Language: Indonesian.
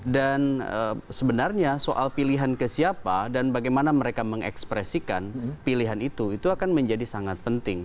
dan sebenarnya soal pilihan ke siapa dan bagaimana mereka mengekspresikan pilihan itu itu akan menjadi sangat penting